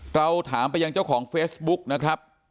เราถามไปยังเจ้าของเฟซบุ๊กนะครับ